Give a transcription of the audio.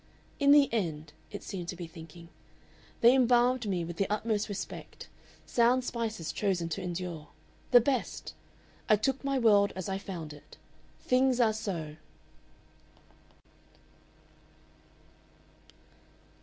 "In the end," it seemed to be thinking, "they embalmed me with the utmost respect sound spices chosen to endure the best! I took my world as I found it. THINGS ARE SO!"